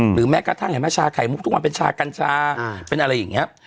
แม้กระทั่งเห็นไหมชาไข่มุกทุกวันเป็นชากัญชาเป็นอะไรอย่างนี้